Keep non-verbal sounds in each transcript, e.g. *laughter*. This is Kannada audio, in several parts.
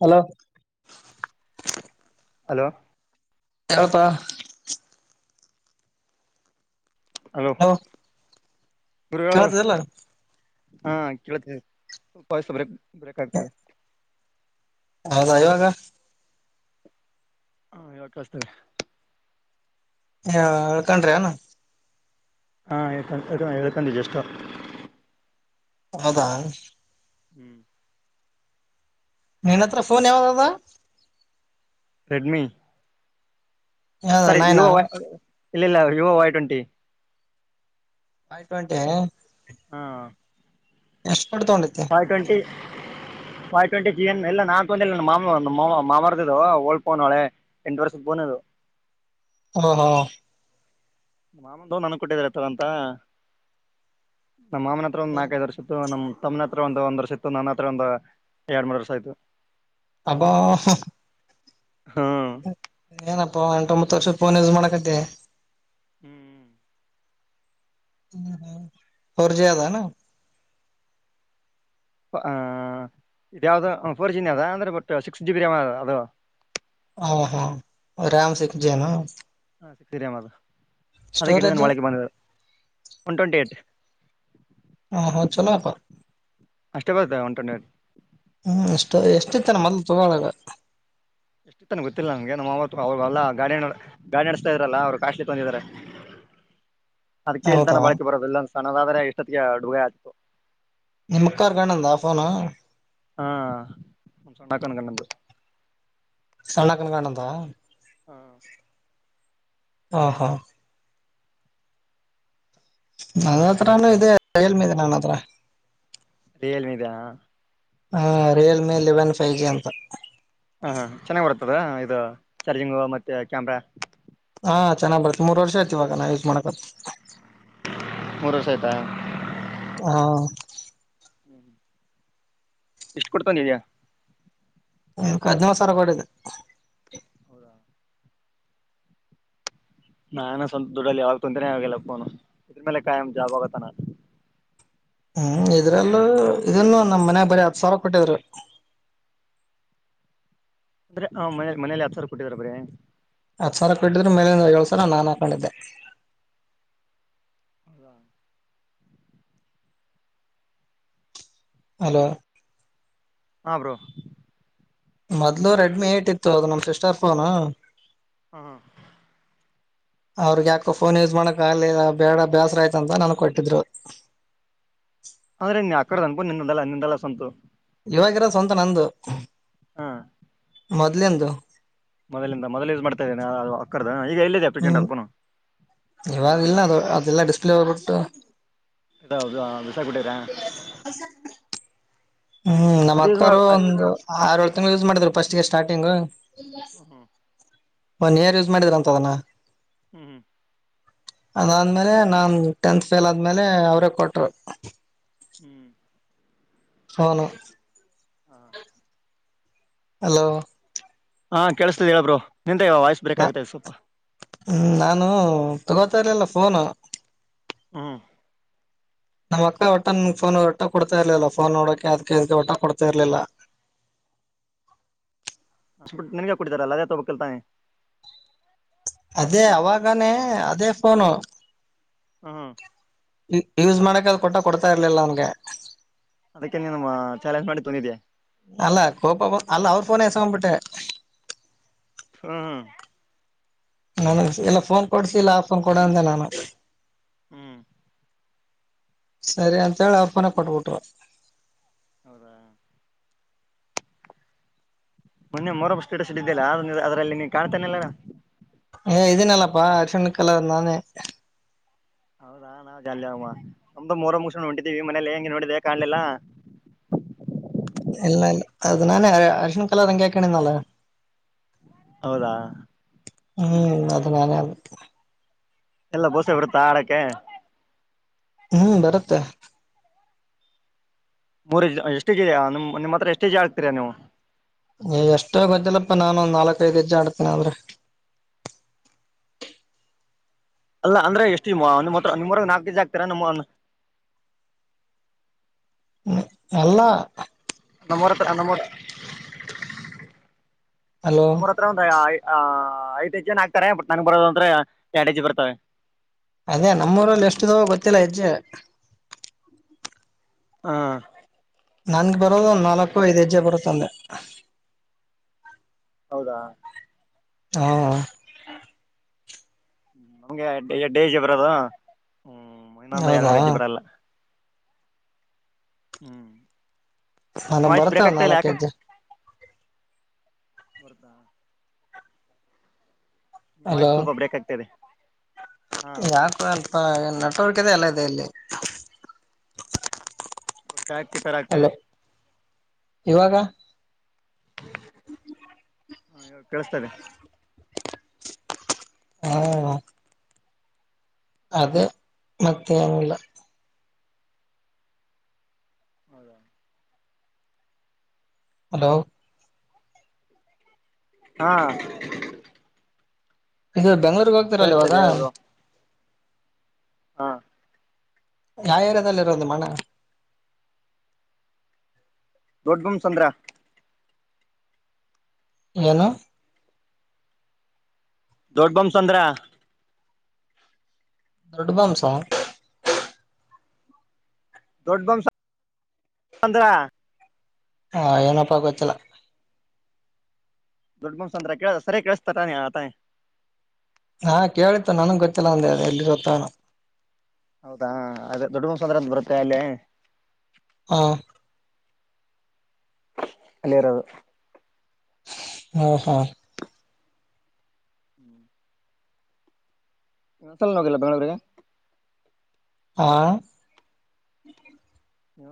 ಹಲೋ ಹಲೋ ಯಾವಪ್ಪ ಹಲೋ ಗುರು ಹೇಳು. ಕೇಳತದೆಲ್ಲ ಹಾ ಕೇಳತ ಸ್ವಲ್ಪ ಬ್ರೇಕ್ ಬ್ರೇಕ್ ಆಗ್ತದೆ ಹೌದಾ ಇವಾಗ ಹಾ ಯವಕಸ್ತದೆ ಹ ಹಳ್ಕೊಂಡ್ರಿ ಅನು ಹಾ ಎಕಂಡ ಜ ಎಷ್ಟ ಹೌದಾ ಹ್ಮ್ ನಿನ ಹತ್ರ ಫೋನ್ ಯಾವ್ದದ ರೆಡ್್ಮಿ ಯಾವ್ದ ಸರಿ ನೈನಾ ವಿವೋ ವೈ ಇಲ್ಲ ಇಲ್ಲ ವಿವೋ ವೈ ಟ್ವೆಂಟಿ ಆಯ್ತು ಒಂಟೆ ಹಾ ಎಷ್ಟ ವೈ ಟ್ವೆಂಟಿ ಮ ಟ್ವೆಂಟಿ ಜೀವನ್ ಎಲ್ಲ ನಾನ್ ತಂದ ಮಾ ಮಾ ಮಾಮರದದು ಓಲ್ಡ್ಫೋನ್ಳೆ ಎಂಟು ವರ್ಷದ ಬೋದು ಹ್ಮ ಹಾ ಮಾಮಂದ ನನ್ ಕೊಟ್ಟಿದ್ರತವ ಅಂತ ನಮ್ಮ ಮಾಮನ ಹತ್ರ ಒ ನಾಲ್ಕೈದು ವರ್ಷದ ನಮಮ್ಮ ತಮ್ಮನ ಹತ್ರ ಒಂದು ಒಂದ್ ವರ್ಷ ಇತ್ತು ನನ್ನ ಹತ್ರ ಒಂದು ಎರಡ್ ಮೂರು ವರ್ಷ ಆಯ್ತು ಅಬ ಹಾ ಏನಪ್ಪ ಎಂಟೊಂಬತ್ತು ವರ್ಷ ಫೋನ್ ಯೂಸ್ ಮಾಡಕತ್ತೆ ಹ್ಮ್್ಮ ಹ್ಮ ಹ್ಮ ಹರ ಜದ ಯಾವ್ದ ಫೋರ್ ಜ ಅದ ಅಂದ್ರೆ but six G B RAM ಅದ ಅದು ಹ ಹಾ ರಾಮ ಸಿಕ್ ಜೇನು ಸರಿಯದು ಅದಕ್ಕೆ ಸ್ಟೋರೇಜ್ ಒಳಕೆ ಬಂದ ಒನ್ ಟ್ವೆಂಟಿ ಏಟ್ ಹ ಹ ಚಲೋ ಬ ಅಷ್ಟೇ ಬರ್ತದೆ ಒಂಟೊಂಡೆಡ್ ಹ್ಮ್ ಎಷ್ಟ ಎಷ್ಟಿತ್ತಾರ ಮೊದ್ಲು ತಗೊಳಾಗ ಎಷ್ಟ್ ನ ಗೊತ್ತಿಲ್ಲ ನಮ್ಗೆ *unintelligible* ನಮ್ಮ ಅವತ್ತು ಅವ್ರಲ್ಲಾ ಗಾಡಿ ಗಾಡಿ ನಡೆಸ್ತಾ ಇದ್ರಲ್ಲ ಅವ್ರು ಕಾಸ್ಟ್ಲಿ ತಂದಿದ್ದಾರೆ. *inaudible* ಅದ್ ಹೌದಾ ಕೇಳ್ತಾನ ಬಳಕೆ ಬರೋದು ಇಲ್ಲೊಂದ್ ಸಣ್ಣದಾದ್ರೆ ಇಷ್ಟೊತ್ತ ಅಡುಗ ಆಯತಿತತ್ತು ನಿಮ್ಮಕ್ಕಾಾರ್ಕಣ ಅಂದಾಫೋನ ಹಾಸೊಂಡಕಣ ಕಣ ಸ್ಣಕಣಕಾಣಂತ ಹ್ಮ ಹಾ ಹಾ ನದ ಹತ್ರಾನು ಇದೆ ಏಲ್ಮ ಇದೆ ನನ್ನ ಹತ್ರ ರಿಯಲ್ಮದಾ ಹಾ ರಿಯಲ್ಮಿ ಲೆವೆನ್ ಫೈವ್ ಜಿ ಅಂತ. ಹಾ ಹ ಚೆನ್ನಾಗ್ ಬರ್ತದ ಇದು ಚಾರ್ಜಿಂಗ್ ಮತ್ತೆ ಕ್ಯಾಮ್ರಾ? ಹಾ ಚೆನ್ನಾಗಿ ಬರುತ್ತೆ ಮೂರ್ ವರ್ಷ ಆಯ್ತು ಇವಾಗ ನಾ ಯುಸ್ ಮಾಡಕತ್ ಮೂರು ವರ್ಷ ಆಯ್ತಾ? ಹಾ ಎಷ್ಟು ಕೊಡ್ತಂದಿದಿಯಾ? ಹದ್ನೋಳ್ ಸಾವ್ರ ಕೊಟ್ಟಿದ್ದೆ. ನಾನ ಸ್ವಂತ್ ದುಡ್ಡಲ್ಲಿ ಯಾವಾಗ ಕುಂತನೆ ಅಗೆಲ್ಲ ಫೋನು ಇನ್ ಮೇಲೆ ಕಾಯ್ *unintelligible* ಜಾಬ್ ಹೋಗತ್ತ ನಾನು. ಹ್ಮ್ ಇದ್ರಲ್ಲೂ ಏನು ನಮ್ಮ್ ಮನ್ಯಾಗ ಬರಿ ಹತ್ ಸಾವಿರ ಕೊಟ್ಟಿದ್ರು. ಅಂದ್ರೆ ಆ ಮನೆ ಮನೇಲಿ ಹತ್ ಸಾವರ ಕೊಟ್ಟಿದ್ರ ಬರೀ? ಹತ್ ಸಾವಿರ ಕೊಟ್ಟಿದ್ರು ಮೇಲಿಂದ ಏಳ್ ಸಾವಿರ ನಾನ್ ಹಾಕೊಂಡಿದ್ದೆ. ಹೌದಾ ಹಲೋ ಹಾ ಬ್ರೋ. ಮೊದ್ಲು ರೆಡ್ಮಿ ಏಟ್ ಇತ್ತು ಅದು ನಮ್ ಸಿಸ್ಟರ್ ಫೋನು ಹ್ಮ ಹ ಅವ್ರಗ್ ಯಾಕೋ ಫೋನ್ ಯೂಸ್ ಮಾಡಕ್ ಆಗ್ಲಿಲ್ಲ, ಬೇಡ ಬ್ಯಾಸ್ರ ಆಯ್ತು ಅಂತ ನನ್ಗ್ ಕೊಟ್ಟಿದ್ರು. *inaudible* ಅಂದ್ರೆ ನಿನ್ ಆಕಡೆ ಅನ್ಪು ನಿಂದಂದಲ್ಲ ನಿಂದೆಲ್ಲ ಸ್ವಂತು. ಇವಾಗಿರೋ ಸ್ವಂತ ನಂದು. ಹಾ ಮೊದ್ಲಿಂದು. ಮೊದಲಿಂದ ಮೊದಲ ಯೂಸ್ ಮಾಡ್ತಾ ಇದೀನಾ ಅದು ಅಕ್ಕಡದ ಈಗ ಎಲ್ಲಿದೆ ಆ *unintelligible* ಫೋನು? ಇವಾಗಿಲ್ಲ ಅದು ಅದೆಲ್ಲ ಡಿಸ್ಪ್ಲೇ ಹೋಗ್ಬಿಡ್ತು. ಹೌದಾ ಹ *inaudible* ಹ್ಮ್ ನಮ್ಮ್ ಅದ ಯೂಸ್ ಮಾಡ ಅಕ್ಕೋರು ಒಂದು ಆರೇಳು ತಿಂಗ್ಳು ಯೂಸ್ ಮಾಡಿದ್ರು ಫಸ್ಟ್ಗೆ ಸ್ಟಾರ್ಟಿಂಗು. ಹ್ಮ ಹ್ಮ ಒನ್ ಇಯರ್ ಯೂಸ್ ಮಾಡಿದ್ರಂತದನ್ನ ಹ್ಮ್ ಅದಾದ್ಮೇಲೆ ನಾನ್ ಟೆಂತ್ ಫೇಲ್ ಆದ್ಮೇಲೆ ಅವ್ರೇ ಕೊಟ್ರು. ಹ್ಮ್ ಫೋನು ಹಲೋ ಹಾ ಕೆೇಳಸ್ತದ ಹೇಳ್ ಬ್ರೋ. ನಿಂದ ವಾಯ್ಸ್ ಬ್ರೇಕ್ ನ ಆಗುತ್ತೆ ಸ್ವಲ್ಪ ಹ್ಮ ನಾನು ತಗೋತಾ ಇರ್ಲಿಲ್ಲ ಫೋನು. ಹ್ಮ್ ನಮ್ಮ್ ಅಕ್ಕ ಒಟ್ಟನ ಫೋನ್ ಒಟ್ಟ್ಗೆ ಕೊಡ್ತಾ ಇರ್ಲಿಲ್ಲ ಫೋನ್ ನೋಡಕೆ ಅದ್ಕೆ ಒಟ್ಟಗ್ ಕೊಡ್ತಾ ಇರ್ಲಿಲ್ಲ. *inaudible* ಅಷ್ಬಟ್ಟು ನಿನ್ಗೆ ಕೊಟ್ಟಿದಾರಲ್ಲ ಅಜಾ *unintelligible* ತೊಗೋಬೇಕ್ತಾನೆ. ಅದೇ ಅವಾಗಾನೇ ಅದೇ ಫೋನು. ಹ್ಮ ಯೂಸ್ ಮಾಡಕ ಅದು ಕೊಟ್ಟ ಕೊಡ್ತಾ ಇರ್ಲಿಲ್ಲ ಅವನ್ಗೆ ಅದಕ್ಕೆ ನೀನು ಚಾಲೆಂಜ್ ಮಾಡಿ ತಂದಿದ್ಯಾ ಅಲ್ಲ ಕಪ ಅಲ್ಲ ಅವರು ಫೋನೇ ಎಸೋಂಬುಟ್ಟೆ. ಹ್ಮ ಹಾ ನ ಎಲ್ಲ *unintelligible* ಫೋನ್ ಕೊಡ್ಸಿಲ್ಲ ಆ ಫೋನ್ ಕೊಡಂದೆ ನಾನು. ಹ್ಮ್ ಸರಿ ಅಂತೇಳಿ ಅವ್ರ್ಫೋನೇ ಕೊಟ್ಬಿಟ್ರು. ಹೌದಾ ಮೊನ್ನೆ ಮೊರಬಸ್ಟಸಡ್ ಇದಿದ್ದಲ್ಲ ಅ ಅದರಲ್ಲಿ ನೀ ಕಾಣ್ತಾನಿಲ್ಲಾ. ಏ ಇದೀನ್ನಲ್ಲಪ್ಪಾ ಅರಿಶ್ಣ ಕಲರ್ನಾನೆ. ಹೌದಾ ನಾವು ಜಾಲಿ *unintelligible* ಮೂರು ಮುಗ್ಸಕೂಂಡ್ ಹೊಂಟಿದೀವಿ ಮನೇಲಿ ಹೆಂಗೆ ನೋಡಿದೆ ಕಾಣಲಿಲ್ಲ. ಇಲ್ಲಲ್ಲ ಅದ ನಾನೇ ಅರಿಶನ್ ಕಲ್ಲ ಅಂಗಿ ಆಕಣನ್ನಳ ಹೌದಾ ಹ್ಮ್ ಅದ ನಾನೇ ಅ ಎಲ್ಲ ದೋಸೆ ಬಿಡತಾ ಆಡಕ್ಕೆ ಹ್ಮ್ ಬರುತ್ತೆ ಮೂ ಎಷ್ಟು ಜ ನಿಮ್ಮ ಹತ್ರ ಎಷ್ಟು ಜ ಆಗ್ತೀರಾ ನೀವು ನೀ ಎಷ್ಟೋ ಗಜ್ಜಿಲ್ಲಪ್ಪಾ ನಾನುಂದ್ ನಾಲ್ಕೈಐದು ಗಜ್ಜೆ ಆಡ್ತೇನ ಅ ಆದ್ರೆ *inaudible* ಅಲ್ಲ ಅಂದ್ರೆ ಎಷ್ಟಿಮ್ಮಮ್ಮ ಹತ್ರ ನಿಮ್ಮ್ವರಗ್ ನಾಕ ದಜ ಆಗ್ತರಾ ನಿಮ್ಮ ಹ್ಮ ಎಲ್ಲಾ ನಮ್ಮೂರತ್ರ ನೂರ ಹಲೋ ನಮ್ಮೂರ ಎತ್ರ ಬಂದ ಆ ಹ ಐದ ಹೆಜ್ ಜನ ಆಗ್ತಾರೆ ಬಟ್ ನಂ ಬರೋದ ಅಂದ್ರೆ ಎಡ ಹೆಜ್ ಬರ್ತವೆ ಅದೇ ನಮ್ಮೂಊರಲ್ಲಿ ಎಷ್ಟ್ದ ಗೊತ್ತಿಲ್ಲ ಹೆಜ್ಜೆ ಹಾ ನನ್ಗೆ ಬರೋದು ಒಂದ್ ನಾಲ್ಕು ಐದ್ ಹೆಜ್ಜೆ ಬರುತ್ತ ಅಂದೆ ಹೌದಾ ಹಾ ನಮ್ಗೆ ಎಡ್ಡಜ್ಜಿ ಬರದು ಹ್ಮ ಮೈನಂದ ಹೌದಾ ಯಏಳ್ಮರಿ ಹೆಜಿ ಬರಲ್ಲ ಹ್ಮ್ ನಿಮ್ ನನಗ್ ವಾಯ್ಸ್ ಬರುತ್ತೆ ಬ್ರೇಕ್ ಒಂದ್ ಆಗ್ತಾ ಇಲ್ಲ ನಾಲ್ಕು ಯಾಕ ಹೆಜ್ಜೆ ಬರ್ದ ನಿಮ್ ವಯಸ್ ಸ್ವಲ್ಪ ಬ್ರೇಕ್ ಆಗ್ತ ಇದೆ ಹಾ ಯಾಕು ಅಲ್ಪ ಏ ಅವ್ರಗತೆ ಎಲ್ಲ ಇದೆ ಇಲ್ಲಿ ತ ಆಗ್ತಿ ತರ ಆಗ್ತದೆ ಹಲೋ ಹ್ಮ ಹಾ ಇ ಕೇಳಸ್ತದೆ ಹಾ ಅದ ಮತ್ತನಲ್ಲ ಹೌದಾ ಹಲೋ ಹಾ ಇದು ಬೆಂಗಳೂರು ಹೋಗ್ತೀರಲ್ಲ ಇವಾಗ ಕೇಳಿಸ್ತದೆ ಹೇಳ್ ಬ್ರೋ ಹಾ ಯಾವರದದಲ್ಲಿ ಇರೋದು ಮನ ದೊಡ್ ಬೊಮ ಚಂದ್ರ ಹೇನು ದೊಡ್ ಬೊಮ್ಸಂದ್ರ ದೊಡಬೊಂಬಸಂದ್ರ ದೊಡ್ಡಬೊಂಬ್ಸಾಂದ್ರ ಹಾ ಏನಪ್ಪಾ ಗೊತ್ತಿಲ್ಲ ದೊಡ್ಡ ಬಂಸ ಅಂದ್ರ ಕೇಳ ಸರಿ ಕೇಳಿಸತಾರಾನ ಆತಾಯ ಹಾ ಕೇಳತ್ತು ನನಗ್ ಗೊತ್ತಿಲ್ಲ ಒಂದೆ ಅ ಎಲ್ಲಿರೊತ್ತಣ ಹೌದಾ ಅದೇ ದೊಡ್ಡ ಮುನ್ಸಂದ್ರ ಅಂತ ಬರುತ್ತೆ ಅಲ್ಲೇ ಹಾ ಅಲ್ಲಿರದು ಹಾ ಹಾ ಹ್ಮ್ ಇಸಲ್ ಹೋಗಿಲ್ಲ ಬೆಂಗಗಳೂರಿಗೆ ಹ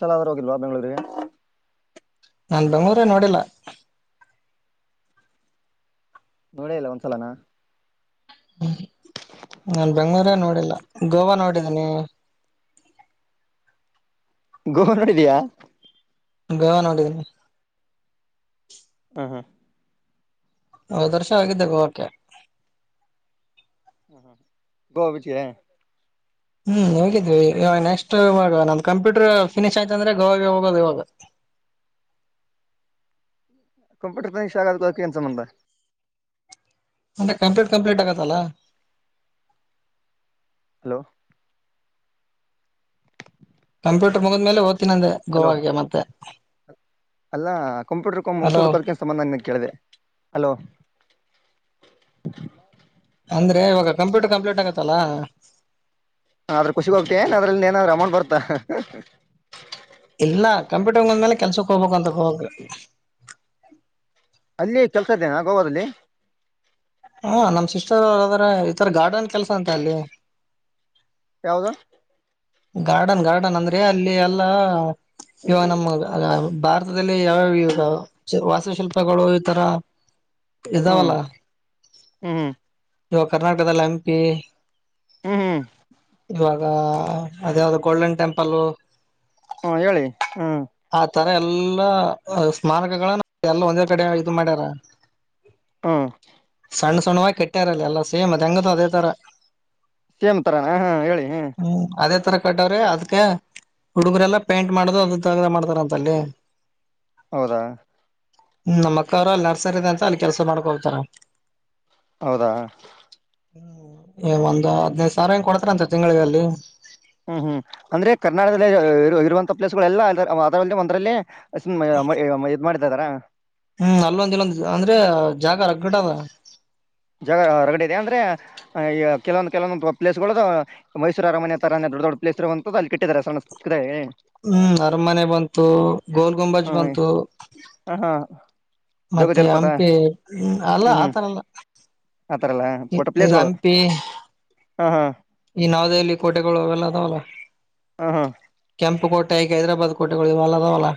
ಚಲಾವರ ಹೋಗಿಲ್ವಾ ಬೆಂಗಳೂರಿಗೆ ನಾ ಬೆಂಗ್ಳೂರೇ ನೋಡಿಲ್ಲ ನೋಡೇ ಇಲ್ಲ ಒಂದ್ಸಲನಾ ಹ್ಮ್ ನನ್ ಬೆಂಗ್ಳೂರೇ ನೋಡಿಲ್ಲ ಗೋವಾ ನೋಡಿದಿನಿ ಗೋವಾ ನೋಡಿದಿಯಾ ಗೋವಾ ನೋಡಿದೀನಿ ಹ ಹಾ ಹೋದ ವರ್ಷ ಹೋಗಿದೆ ಗೋವಾಗ ಗೋವಾ ಬೀಚ್ ಹ್ಮ್ ಹೋಗಿದ್ವಿ ನೆಕ್ಸ್ಟ್ ನ ಕಂಪೂಟರ್ ಫಿನಿಶ್ ಆಯ್ತ ಅಂದ್ರೆ ಗೋವಾಗೆ ಹೋಗೋದು ಇವಾಗ *unintelligible* ಕಂಪ್ಯೂಟರ್ ಫಿನಿಷ್ ಗು ಅದಕು ಎನ್ ಸಂಬಂಧ ಮೆ ಕಂಪ್ಲಿಟ್ ಕಂಪ್ಲಿಟ್ ಆಗತ್ತಲ್ಲ ಹಲೋ ಕಂಪ್ಯೂಟರ್ ಮುಗಿದ ಮೇಲೆ ಹೋಗ್ತೀನಿ ಅಂದೆ ಗೋವಾಗೆ ಮತ್ತೆ ಅಲ್ಲಾ ಕಂಪ್ಯೂಟರ್ ಕೂ ಹಲೋ ಮುಗಸೋದಕೂ ಅದಕ ಏನ್ ಸಂಬಂಧ ಕೇಳಿದೆ ಅಲೋ *unintelligible* ಅಂದ್ರೆ ಇವಾಗ ಕಂಪ್ಯೂಟರ್ ಕಂಪ್ಲೀಟ್ ಆಗತ್ತಲ್ಲ ಆದ್ರ ಖುಷಿಗ ಹೋಗ್ತ ಏನ್ ಅದ್ರಲ್ಲಿಂದ ಏನಾದ್ರೂ ಅಮೌಂಟ್ ಬರ್ತಾ ಇಲ್ಲ ಕಂಪ್ಯೂಟರ್ ಬಂದ್ಮೇಲೆ ಕೆಲ್ಸಕ್ ಹೋಗ್ಬೇಕು ಅಂದ್ರ ಹೋಗಬೇಕ ಅಲ್ಲಿ ಕೆಲಸ ಇದೆಯಾ ಗೋವಾದಲ್ಲಿ ಹಾ ನಮ್ ಸಿಸ್ಟರ್ ಅವರ ಅದರ ಈತರ ಗಾರ್ಡನ್ ಕೆಲಸ ಅಂತ ಅಲ್ಲಿ ಯಾವದ ಗಾರ್ಡನ್ ಗಾರ್ಡನ್ ಅಂದ್ರೆ ಅಲ್ಲಿ ಎಲ್ಲಾ ಇವ ನಮ್ಮ ಭಾರತದಲ್ಲಿ ಯಾವ್ಯಾವ ಈ ವಾಸ್ತುಶಿಲ್ಪಗಳು ಈತರ *inaudible* ಹ್ಮ್ ಹ್ಮ್ಮ್ಹ ಇವಾಗ ಕರ್ನಾಟಕದಲ್ಲಿ ಹಂಪಿ ಹ್ಮ್ ಹ್ಮ್ ಇವಾಗ ಅದ ಯಾವ್ದ ಗೋಲ್ಡನ್ ಟೆಂಪಲ್ ಹ್ಮ ಹೇಳಿ ಹ್ಮ್ ಆ ತರ ಎಲ್ಲಾ ಸ್ಮಾರಕಗಳ ಎಲ್ಲ ಒಂದೇ ಕಡೆ ಇದು ಮಾಡ್ಯಾರ ಹ್ಮ್ ಸಣ್ಣ ಸಣ್ಣವಾಗಿ ಕಟ್ಟ್ಯಾರಲ್ಲ ಎಲ್ಲ ಸೇಮ್ ಅದ ಹೆಂಗಿದೆ ಅದೇ ತರ ಸೇಮ್ ತರಾನ ಹಾ ಹೇಳಿ ಹ್ಮ್ ಅದೇ ತರ ಕಟ್ಟವ್ರೀ ಅದ್ಕೆ ಹುಡುಗರೆಲ್ಲಾ ಪೇಂಟ್ ಮಾಡದು ಅದ ತಗ ಮಾಡ್ತಾರ ಅಂತಲ್ಲಿ ಹೌದಾ ನಮ್ಮಕ್ಕ ಅವ್ರ ಅಲ್ಲಿ ನರ್ಸರಿ ಇದೆ ಅಂತ ಅಲ್ಲಿ ಕೆಲ್ಸ ಮಾಡ್ಕ ಹೋಗ್ತಾರ. ಹೌದಾ ಹ್ಮ ಒಂದ್ ಹದಿನೈದ ಸಾವಿರ ಹಿಂಗ್ ಕೊಡ್ತಾರಂತ ತಿಂಗಳಿಗ ಅಲ್ಲಿ. ಹ್ಮ್ ಇಂತ ಪ್ಲೇಸಗೋಳೆಲ್ಲ ಅದರಲ್ಲ ಒಂದ್ರಲ್ಲೇ ಇದ್ ಮಾಡ್ತ ಇದಾರ *unintelligible* ಹ್ಮ್ ಅಲ್ಲೊಂದ ಇಲ್ಲೊಂದು ಅಂದ್ರೆ ಜಾಗ ರಗಡ್ ಅವ ಜಾಗ ರಗಡ್ ಇದೆ ಅಂದ್ರೆ ಕೆಲವೊಂದು ಕೆಲವೊಂದು ಪ್ಲೇಸ್ ಗಳುದು ಮೈಸೂರು ಅರಮನೆ ತರ ದೊಡ್ಡ ದೊಡ್ ಪ್ಲೇಸ್ ಇರುವಂತಾದ ಅಲ್ಲಿ ಕೆಟ್ಟಿದಿದ್ದಾರೆ ಸಣದೆ ಹ್ಮ್ ಅರಮನೆ ಬಂತು ಗೋಲ್ ಗುಂಬಜ್ ಬಂತು ಹ ಹಾ ಜೋಗ ಮತ್ತೆ ಜಲಪಾತ ಹಂಪಿ ಅಲ್ಲ ಹ್ಮ್ ಹ್ಮ್ ಆತರಲ್ಲ ಆತರ ಎಲ್ಲ ಒಟ್ಟ ಇದು ಪ್ಲೇಸ್ಗಳು ಹಂಪಿ ಹಾ ಹಾ ಈ ನವದೆಹಲಿ ಕೋಟೆಗಳುಲ್ಲ ಅದಾವಲ್ಲ ಹ ಹಾ ಕೆಂಪು ಕೋಟೆ ಆಕ ಹೈದರಾಬಾದ್ ಕೋಟೆಗಳು ಇವೆಲ್ಲಾ ಅದಾವಲ್ಲ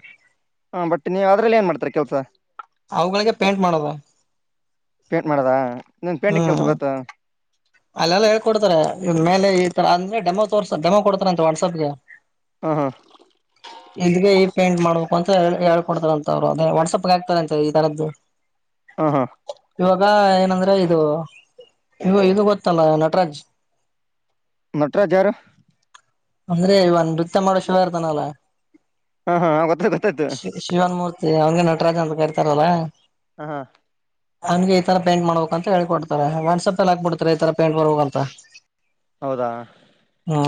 ಹಾ ಬಟ್ ನೀವು ಅದರಲ್ಲಿ ಏನ್ ಮಾಡ್ತಾರಿ ಕೆಲ್ಸ ಅವುಗಳಿಗೆ ಪೇಂಟ್ ಮಾಡೋದ ಪೇಂಟ್ ಮಾಡದ ನಿನ್ಗ ಪೇಂಟಿಂಗ್ ಕೆಲ್ಸ ಬರುತ್ತ ಅಲ್ಲೆಲ್ಲಾ ಹೇಳ್ಕೊಡ್ತಾರೆ ಇದ್ ಮೇಲೆ ಈ ತರ ಅಂದ್ರೆ ಡೆಮೋ ತೋರ್ಸ ಡೆಮೋ ಕೊಡ್ತಾರ ಅಂತ ವಾಟ್ಸಪ್ಗೆ. ಹಾ ಹಾ ಎಲ್ಲಿಗೆ *unintelligible* ಪೇಂಟ್ ಮಾಡಬೇಕು ಅಂತ ಹೆಳ್ ಹೇಳ ಕೊಡ್ತಾರಂತ ಅವ್ರು ವಾಟ್ಸಪಗ ಹಕ್ತಾರಂತ ಈತರದ್ದು. ಹ್ಮ್ ಹ್ಮ ಈಗ ಏನಂದ್ರ ಇದು ಇ ಇದು ಗೊತ್ತಲ್ಲ ನಟರಾಜ್. ನಟರಾಜ್ ಯಾರು. ಅಂದ್ರೆ ಇವ ನೃತ್ಯ ಮಾಡೋ ಶಿವ ಇರ್ತಾನಲ್ಲ. ಹಾ ಹಾ ಗೊತ್ತಾಯ್ತು ಗೊತ್ತಾಯ್ತು ಶ ಶಿವನ್ಮೂರ್ತಿ ಅವನ್ಗೆ ನಟರಾಜ ಅಂತ ಕರಿತಾರಲ್ಲ. ಹ ಹ್ ಹಂಗೆ ಈ ತರ ಪೇಂಟ್ ಮಾಡಬೇಕ್ ಅಂತ ಹೇಳ್ ಕೊಡ್ತಾರೆ ವಾಟ್ಸಪಲ್ಲಿ ಹಾಕ್ಬಿಡ್ತಾರೆ ಈ ತರ ಪೇಂಟ್ ಬರ್ಬೇಕ್ ಅಂತ. ಹೌದಾ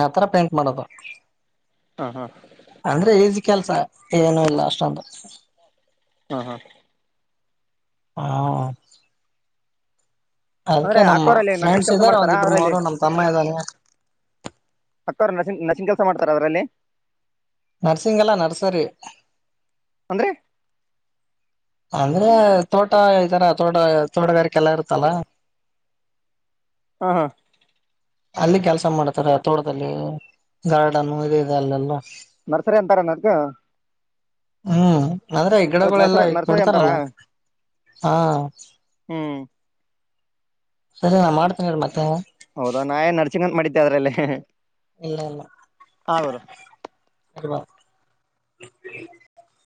ಆತರ ಪೇಂಟ್ ಮಾಡೋದು. ಹಾ ಹಾ ಅಂದ್ರೆ ಈಸಿ ಕೆಲ್ಸ ಏನು ಇಲ್ಲ ಅಷ್ಟೊಂದು. ಹಾ ಹಾ ಹಾ ಅಂದ್ರೆ ಅದಕ್ಕೆ ನಮ್ಮ ಅಕ್ಕೋರಲ್ಲಿ ನರ್ಸಿಂಗ್ ಫ್ರೆಂಡ್ಸ್ ಕೆಲಸ ಇದ್ದಾರ ಮಾಡ್ತಾರಾ ಒಂದಿಬ್ರು ಮೂವರು ನಮ್ ತಮ್ಮ ಇದ್ದಾನೆ. ಅಕ್ಕವರು ನರ್ಸಿಂಗ್ ನರ್ಸಿಂಗ್ ಕೆಲಸ ಮಾಡ್ತಾರ ಅದರಲ್ಲಿ. ನರ್ಸಿಂಗಲ್ಲಾ ನರ್ಸರಿ. ಅಂದ್ರೆ ಅಂದ್ರ ತೋಟ ಈತರ ತೋಟ ತೋಟಗಾರಿಕೆಲ್ಲ ಇರುತ್ತಲ್ಲ. ಹ ಹ ಅಲ್ಲಿ ಕೆಲ್ಸ ಮಾಡ್ತಾರ ತೋಟದಲ್ಲಿ ಗಾರ್ಡನು ಇದೆ ಅಲ್ಲೆಲ್ಲ. ನರ್ಸರಿ ಅಂತಾರೆನದಕ. ಹ್ಮ್ ಆದ್ರ ಗಿಡಗೋಳೆಲ್ಲಾ ನರ್ಸರಿ ಅಂತಾರಾ ಕೊಡ್ತಾರಲ್ಲ. ಹಾ ಹ್ಮ್ ಸರಿ ನಾ ಮಾಡ್ತಿನೀರು ಮತ್ತೆ. ಹೌದಾ ನಾ ಏನ್ ನರಸಿಂಗಂತ ಮಾಡಿದ್ದೆ ಅದ್ರಲ್ಲಿ. ಇಲ್ಲ ಇಲ್ಲ ಸರಿಪ *unintelligible*